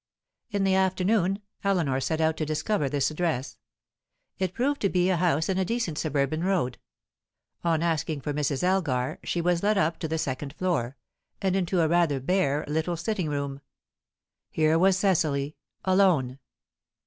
In the afternoon, Eleanor set out to discover this address. It proved to be a house in a decent suburban road. On asking for Mrs. Elgar, she was led up to the second floor, and into a rather bare little sitting room. Here was Cecily, alone.